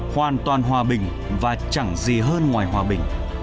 hoàn toàn hòa bình và chẳng gì hơn ngoài hòa bình